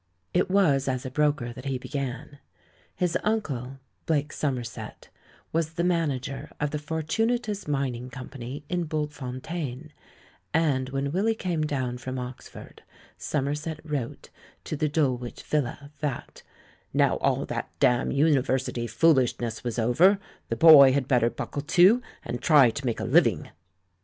It was as a broker that he began. His uncle, Blake Somerset, was the manager of the For tunatus Mining Company in Bultfontein; and when Willy came down from Oxford, Somerset wrote, to the Dulwich villa, that, "now all that damned University foolishness was over, the boy had better buckle to and try to make a living."